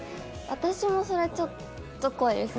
私もそれちょっと怖いです。